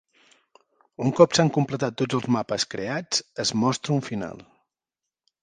Un cop s'han completat tots els mapes creats, es mostra un final.